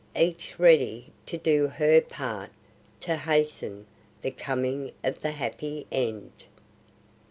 [Illustration: "Each ready to do her part to hasten the coming of the happy end."